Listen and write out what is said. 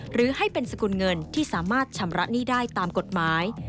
หรือให้เป็นสกุลเงินที่สามารถชำระหนี้ได้ตามกฎหมาย